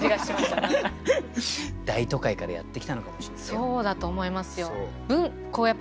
何かこのそうだと思いますよ。